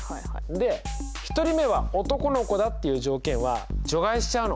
１人目は男の子だっていう条件は除外しちゃうの。